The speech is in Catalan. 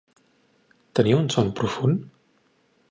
Tenia un son profund?